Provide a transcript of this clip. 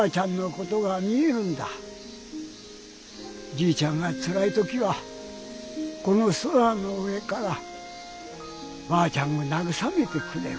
じいちゃんがつらい時はこのソラの上からばあちゃんがなぐさめてくれる。